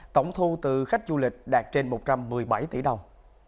tổng thu từ khách du lịch đạt trên một trăm một mươi bảy tỷ đồng